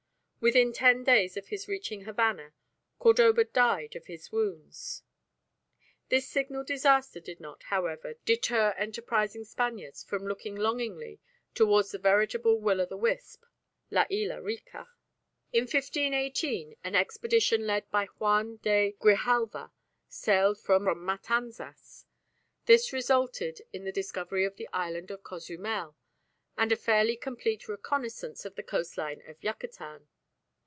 Within ten days of his reaching Havana, Cordoba died of his wounds. This signal disaster did not, however, deter enterprising Spaniards from looking longingly towards this veritable will o' the wisp, La Isla Rica. In 1518 an expedition led by Juan de Grijalva sailed from Matanzas. This resulted in the discovery of the island of Cozumel and a fairly complete reconnaissance of the coastline of Yucatan.